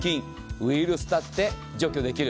ウイルスだって除去できる。